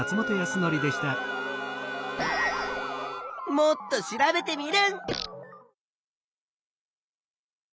もっと調べテミルン！